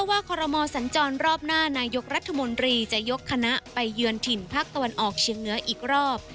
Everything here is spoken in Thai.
คอรมอสัญจรรอบหน้านายกรัฐมนตรีจะยกคณะไปเยือนถิ่นภาคตะวันออกเชียงเหนืออีกรอบ